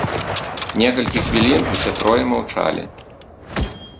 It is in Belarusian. Некалькі хвілін усе трое маўчалі.